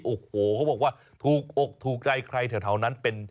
โอ้โหเขาบอกว่าถูกอกถูกใจใครแถวนั้นเป็น